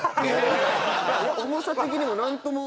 重さ的にも何とも。